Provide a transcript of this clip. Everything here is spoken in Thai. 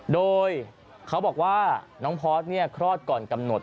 โดยเขาบอกว่าน้องพอร์ตคลอดก่อนกำหนด